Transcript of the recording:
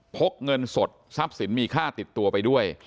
กเงินสดทรัพย์สินมีค่าติดตัวไปด้วย